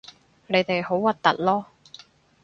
你哋好核突囉